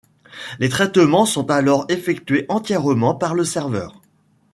Les traitements sont alors effectués entièrement par le serveur.